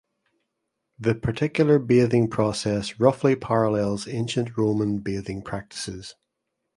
The particular bathing process roughly parallels ancient Roman bathing practices.